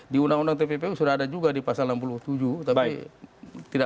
di undang undang tppu sudah ada juga di pasal enam puluh tujuh tapi tidak